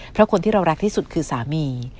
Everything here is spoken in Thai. เพราะคนที่เรารักที่สุดคือสามี